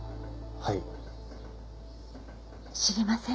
はい。